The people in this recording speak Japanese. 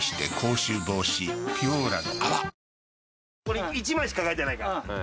これ１枚しか書いてないから。